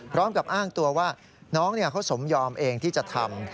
พร้อมกับอ้างตัวว่าน้องเขาสมยอมเองที่จะทำ